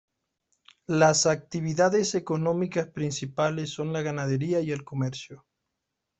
Las actividades económicas principales son la ganadería y el comercio.